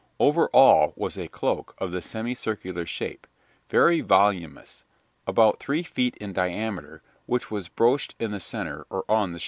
Over all was a cloak of the semicircular shape, very voluminous about three feet in diameter which was brooched in the centre or on the shoulder.